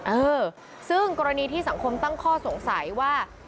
เออซึ่งกรณีที่สังคมตั้งข้อสงสัยว่า